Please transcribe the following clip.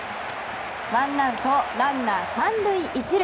ワンアウトランナー３塁１塁。